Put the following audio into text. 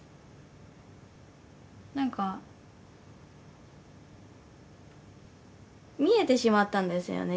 なんか見えてしまったんですよね